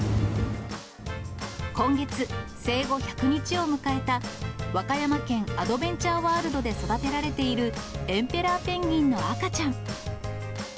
今月、生後１００日を迎えた和歌山県アドベンチャーワールドで育てられているエンペラーペンギンの赤ちゃん。